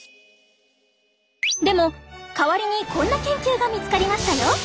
でも代わりにこんな研究が見つかりましたよ！